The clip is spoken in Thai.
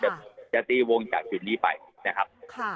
จะตีวงจากจุดนี้ไปนะครับ